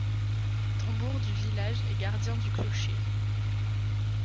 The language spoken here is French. Tambour du village et gardien du clocher…